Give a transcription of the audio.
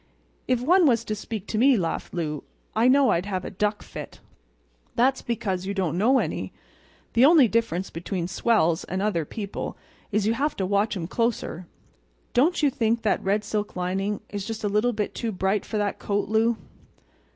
"If one was to speak to me," laughed Lou, "I know I'd have a duck fit." "That's because you don't know any. The only difference between swells and other people is you have to watch 'em closer. Don't you think that red silk lining is just a little bit too bright for that coat, Lou?"